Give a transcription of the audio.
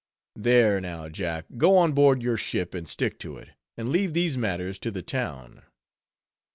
"There, now, Jack, go on board your ship and stick to it; and leave these matters to the town."